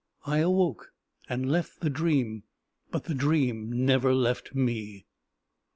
I awoke and left the dream. But the dream never left me.